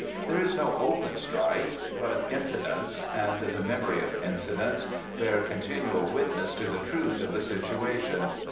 There is no open strife. But 'incidents,' and the memory of incidents, bear continual witness to the truth of the situation.